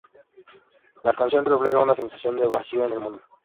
La canción refleja una sensación de vacío en el mundo.